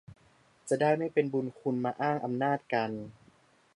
จะได้ไม่เป็นบุญคุณมาอ้างอำนาจกัน